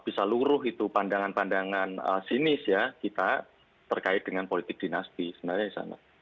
bisa luruh itu pandangan pandangan sinis ya kita terkait dengan politik dinasti sebenarnya di sana